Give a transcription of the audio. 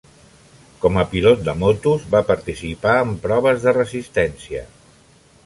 Com a pilot de motos, va participar en proves de resistència.